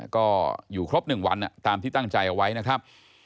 ก็อยู่ครบ๑วันตามที่ตั้งใจเอาไว้นะครับ